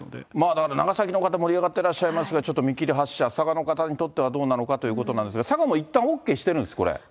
だから長崎の方、盛り上がってらっしゃいますが、ちょっと見切り発車、佐賀の方にとってはどうなのかということですが、佐賀もいったんＯＫしてるんです、これ。